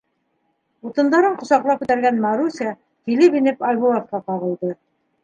Утындарын ҡосаҡлап күтәргән Маруся, килеп инеп, Айбулатҡа ҡағылды.